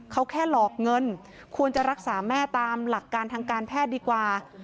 เขาแค่หลอกเงินควรจะรักษาแม่ตามหลักการทางการแพทย์ดีกว่า